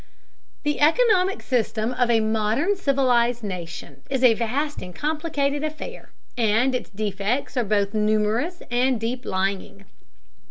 The economic system of a modern civilized nation is a vast and complicated affair, and its defects are both numerous and deep lying.